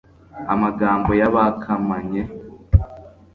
amagambo yabakamanye